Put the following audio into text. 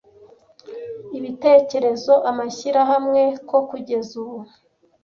Ibitekerezo-amashyirahamwe ko kugeza ubu